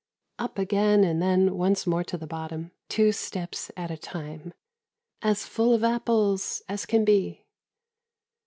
Up again and then once more to the bottom, two steps at a time. ' As full of apples as can be.'